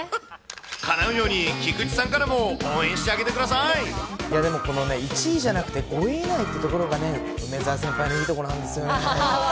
かなうように、菊池さんからいやでもこのね、１位じゃなくて５位以内っていうところがね、梅澤先輩のいいところなんですよ